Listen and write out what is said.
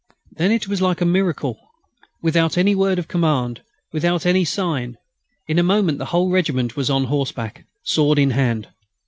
Then it was like a miracle. Without any word of command, without any sign, in a moment the whole regiment was on horseback, sword in hand.